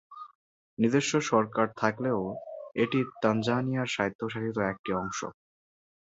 নিজস্ব সরকার থাকলেও এটি তানজানিয়ার স্বায়ত্বশাসিত একটি অংশ।